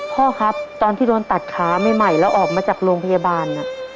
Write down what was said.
พ่อครับตอนที่โดนตัดขาใหม่แล้วออกมาจากโรงพยาบาล